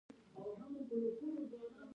پښتونولي د شرافت درس دی.